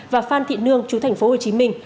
và phan thị nương chú thành phố hồ chí minh